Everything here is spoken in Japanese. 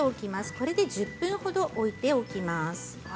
これで１０分程置いておきます。